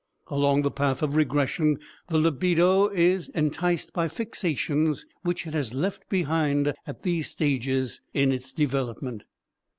Along the path of regression the libido is enticed by fixations which it has left behind at these stages in its development.